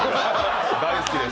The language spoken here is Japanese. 大好きです。